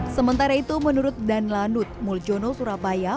sementara itu menurut dan lanut muljono surabaya